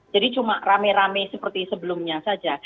jadi cuma rame rame seperti sebelumnya saja